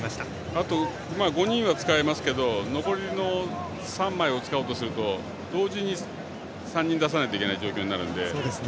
あと、５人は使えますが残りの３枚を使おうとすると同時に３人出さないといけない状況になるので。